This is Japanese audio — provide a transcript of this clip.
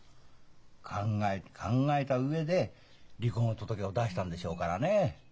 考えに考えた上で離婚届を出したんでしょうからねえ。